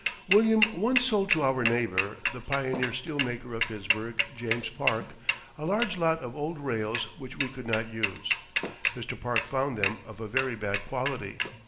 William once sold to our neighbor, the pioneer steel maker of Pittsburgh, James Park, a large lot of old rails which we could not use. Mr. Park found them of a very bad quality.